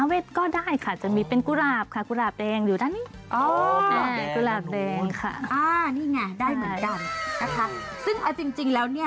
ทาเวศก็ได้ค่ะจะมีเป็นกุหลาบค่ะกุหลาบแดงอยู่ด้านนี้